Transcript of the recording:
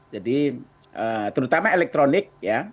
jadi terutama elektronik